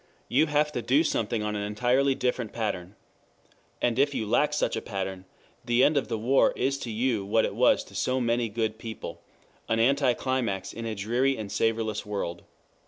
You have to do something on an entirely different pattern. And if you lack such a pattern, the end of the war is to you what it was to so many good people, an anticlimax in a dreary and savorless world.